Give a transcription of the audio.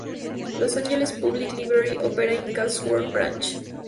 Los Angeles Public Library opera a Chatsworth Branch.